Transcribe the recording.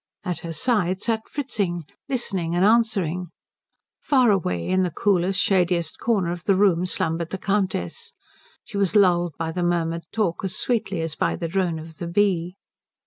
At her side sat Fritzing, listening and answering. Far away in the coolest, shadiest corner of the room slumbered the Countess. She was lulled by the murmured talk as sweetly as by the drone of the bee.